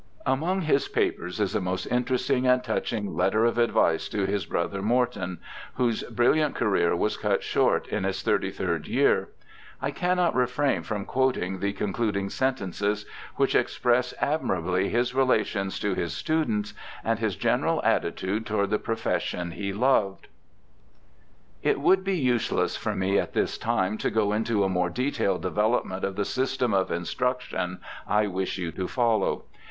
Among his papers is a most interesting and touching letter of advice to his brother Moreton, whose brilliant career was cut short in his thirt^' third year. I cannot refrain from quoting the concluding sentences, which express admirably his relations to his students and his general attitude toward the profession he loved : 'It would be useless for me at this time to go into a more detailed development of the s^'stem of instruc tion I wish you to follow.